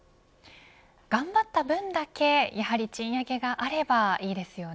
頑張った分だけやはり、賃上げがあればいいですよね。